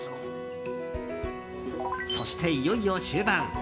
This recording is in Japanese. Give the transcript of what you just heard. そして、いよいよ終盤。